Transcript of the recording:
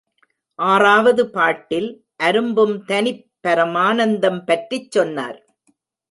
ஆறாவது பாட்டில், அரும்பும் தனிப் பரமானந்தம் பற்றிச் சொன்னார்.